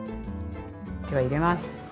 では入れます。